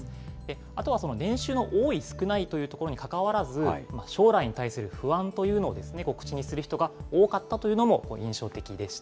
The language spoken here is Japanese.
あとは年収の多い、少ないというところにかかわらず、将来に対する不安というものを口にする人が多かったというのも印象的でした。